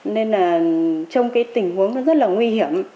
nên là trong cái tình huống nó rất là nguy hiểm